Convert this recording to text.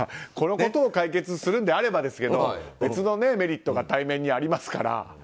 このことを解決するのであればですけど別のメリットが対面にありますから。